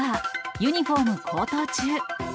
ユニホーム高騰中。